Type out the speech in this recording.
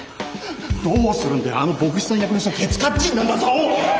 どうするんだよあの牧師さん役の人ケツカッチンなんだぞ！